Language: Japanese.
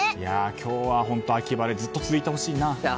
今日は本当秋晴れずっと続いてほしいな。